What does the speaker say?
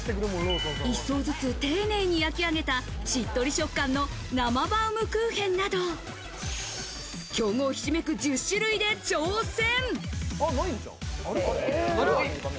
一層ずつ丁寧に焼き上げた、しっとり食感の生バウムクーヘンなど、強豪ひしめく１０種類で挑戦。